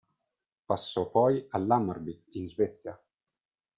Passò poi all'Hammarby, in Svezia.